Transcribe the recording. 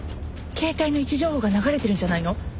携帯の位置情報が流れてるんじゃないの？